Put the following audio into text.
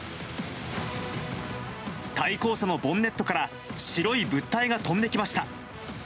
対向車のボンネットから白い物体が飛んできました。